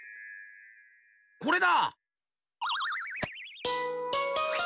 これだ！